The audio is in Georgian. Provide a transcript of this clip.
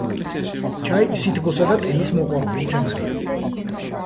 ჩაი სითბოს და ტენის მოყვარული მცენარეა.